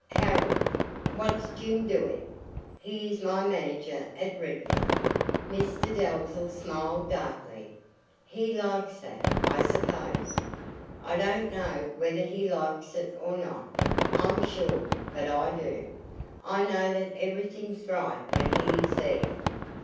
"Harold." "What's Jim doing?" "He is my manager at Redford." Mr Dalzell smiled darkly. "He likes that, I suppose?" "I don't know whether he likes it or not, I'm sure, but I do. I know that everything's right when he is there."